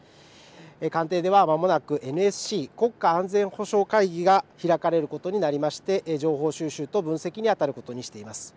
官邸ではまもなくＮＳＣ・国家安全保障会議が開かれることになりまして情報収集と分析にあたることにしています。